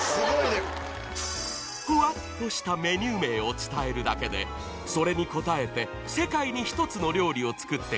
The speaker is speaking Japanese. ［ふわっとしたメニュー名を伝えるだけでそれに応えて世界に１つの料理を作ってくれる夢のお店］